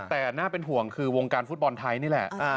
แต่น่าเป็นห่วงคือวงการฟุตบอลไทยนี่แหละ